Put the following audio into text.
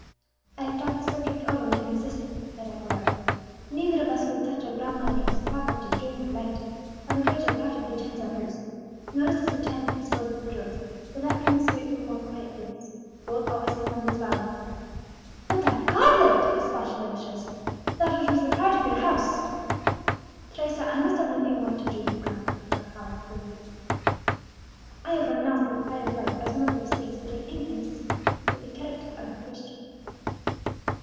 "I have talked the subject over with my sister," replied Aguilera; "neither of us would touch our grandmother's property during her lifetime, and the greater part of the gems are hers. Nor is this a time for disposing of jewels; for that we must wait for more quiet days. Gold always commands its value." "But that goblet," expostulated Teresa "that which was the pride of your house!" "Teresa, I must have nothing more to do with pride," said Alcala gravely but kindly. "I have renounced the pride of life as one of those things which are inconsistent with the character of a Christian."